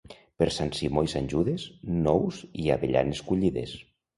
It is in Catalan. Per Sant Simó i Sant Judes, nous i avellanes collides.